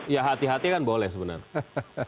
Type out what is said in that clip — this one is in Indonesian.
ya hati hati kan boleh sebenarnya